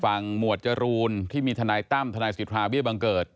ฟังหมวดจรูนที่มีทนายตั้มทนายศิษย์ภาพวิทยาบังเกิร์ต